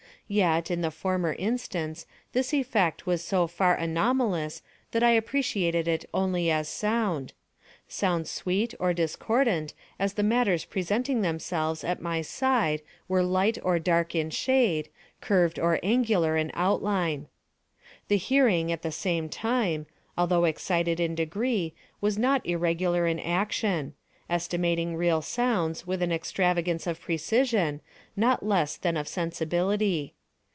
Yet, in the former instance, this effect was so far anomalous that I appreciated it only as sound—sound sweet or discordant as the matters presenting themselves at my side were light or dark in shade—curved or angular in outline. The hearing, at the same time, although excited in degree, was not irregular in action—estimating real sounds with an extravagance of precision, not less than of sensibility.